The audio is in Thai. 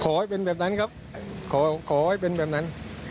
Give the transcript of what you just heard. ขอให้เป็นแบบนั้นครับขอให้เป็นแบบนั้น